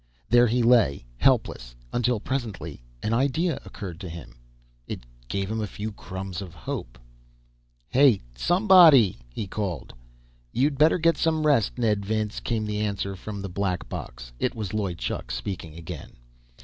There he lay, helpless, until presently an idea occurred to him. It gave him a few crumbs of hope. "Hey, somebody!" he called. "You'd better get some rest, Ned Vince," came the answer from the black box. It was Loy Chuk speaking again.